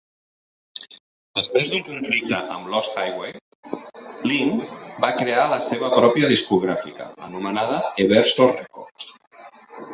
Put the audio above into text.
Després d'un conflicte amb Lost Highway, Lynne va crear la seva pròpia discogràfica, anomenada Everso Records.